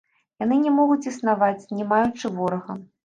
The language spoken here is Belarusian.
Яны не могуць існаваць, не маючы ворага!